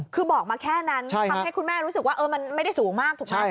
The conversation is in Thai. คือบอกมาแค่นั้นทำให้คุณแม่รู้สึกว่ามันไม่ได้สูงมากถูกไหม